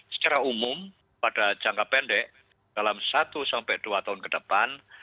secara umum pada jangka pendek dalam satu sampai dua tahun ke depan